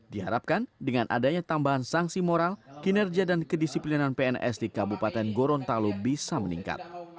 diharapkan dengan adanya tambahan sanksi moral kinerja dan kedisiplinan pns di kabupaten gorontalo bisa meningkat